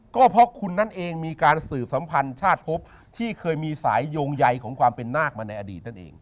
ก็เพราะคุณนั่นเองมีการสื่อสัมพันธ์ชาติพบที่เคยมีสายโยงใยของความเป็นนาคมาในอดีตนั่นเอง